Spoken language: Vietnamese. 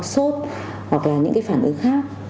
sốt hoặc là những phản ứng khác